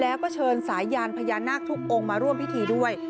แล้วก็เชิญสายยานพญานาคทุกองค์มาร่วมพิธีด้วย